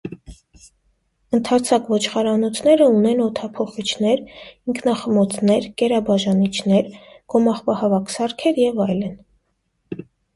Ընդարձակ ոչխարանոցները ունեն օդափոխիչներ, ինքնախմոցներ, կերաբաժանիչներ, գոմաղբահավաք սարքեր և այլն։